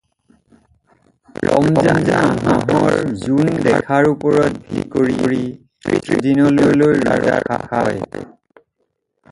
ৰমজান মাহৰ জোন দেখাৰ ওপৰত ভিত্তি কৰি ত্ৰিশ দিনলৈ ৰোজা ৰখা হয়।